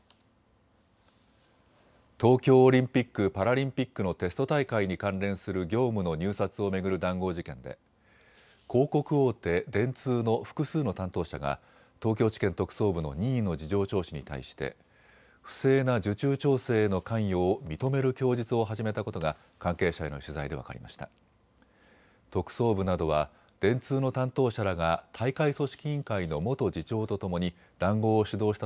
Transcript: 東京オリンピック・パラリンピックのテスト大会に関連する業務の入札を巡る談合事件で広告大手、電通の複数の担当者が東京地検特捜部の任意の事情聴取に対して不正な受注調整への関与を認める供述を始めたことが関係者への取材で分かりました。